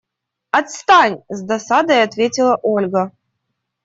Отстань! – с досадой ответила Ольга.